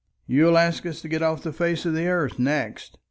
You'll ask us to get off the face of the earth next.